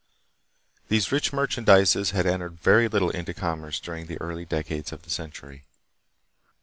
These rich merchandises had entered very little into commerce during the early decades of the century.